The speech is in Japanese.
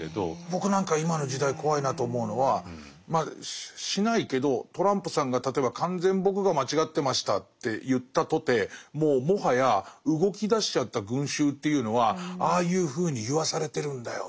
僕なんか今の時代怖いなと思うのはしないけどトランプさんが例えば「完全に僕が間違ってました」って言ったとてもうもはや動きだしちゃった群衆っていうのは「ああいうふうに言わされてるんだよ